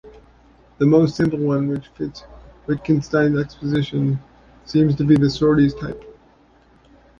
The most simple one, which fits Wittgenstein's exposition, seems to be the sorites type.